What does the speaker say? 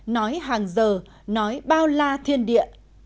nói hàng giờ nói bao la thiên địa